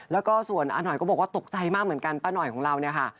แล้วก็ส่วนอาหน่อยก็บอกว่าตกใจมากเหมือนกันป้าหน่อยของเราเนี่ยค่ะ